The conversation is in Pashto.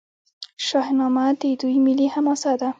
شاهنامه د دوی ملي حماسه ده.